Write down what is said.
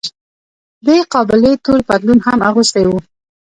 دې قابلې تور پتلون هم اغوستی و.